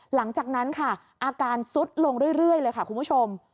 หลังจากนั้นค่ะอาการซุดลงเรื่อยเลยค่ะคุณผู้ชม